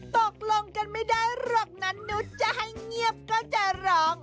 ตกลงกันไม่ได้หรอกนั้นนุษย์จะให้เงียบก็จะร้อง